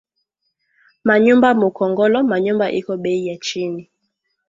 Ma nyumba mu kongolo ma nyumba iko beyi ya chini